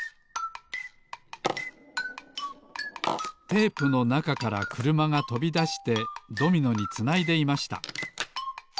テープのなかからくるまがとびだしてドミノにつないでいました